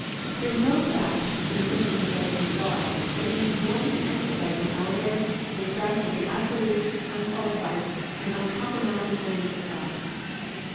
There is no fact in the Christian Conception of God that needs more to be emphasised in our day than the fact of the absolute, unqualified and uncompromising holiness of God.